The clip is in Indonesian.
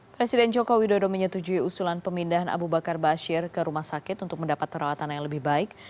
presiden joko widodo menyetujui usulan pemindahan abu bakar bashir ke rumah sakit untuk mendapat perawatan yang lebih baik